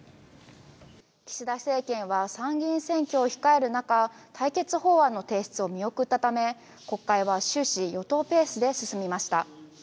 岸田政権は参議院選挙を控える中対決法案の提出を見送ったため国会は終始与党ペースで進みました。